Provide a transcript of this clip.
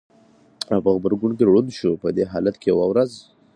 او په غبرګو ړوند شو! په دې حالت کې یوه ورځ